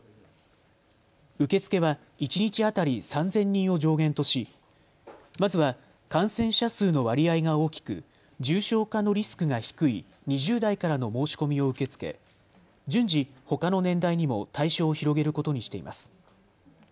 受け付けは一日当たり３０００人を上限としまずは感染者数の割合が大きく重症化のリスクが低い２０代からの申し込みを受け付け順次、ほかの年代にも対象を広げることにしています。